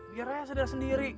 biarnya sederhana sendiri